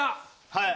はい。